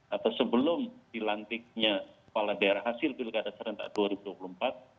atau sebelum dilantiknya kepala daerah hasil pilkada serentak dua ribu dua puluh empat